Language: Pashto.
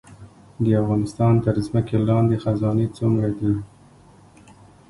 د افغانستان تر ځمکې لاندې خزانې څومره دي؟